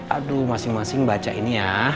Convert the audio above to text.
aduh masing masing baca ini ya